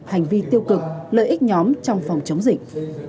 hành vi tiêu cực lợi ích nhóm trong phòng chống dịch